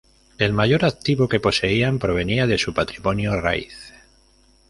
El mayor activo que poseían provenía de su patrimonio raíz.